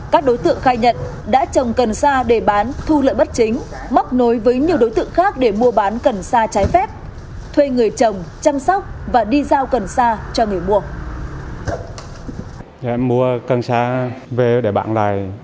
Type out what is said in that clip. các đối tượng khai nhận đã trồng cần sa để bán thu lợi bất chính móc nối với nhiều đối tượng khác để mua bán cần xa trái phép thuê người chồng chăm sóc và đi giao cần sa cho người mua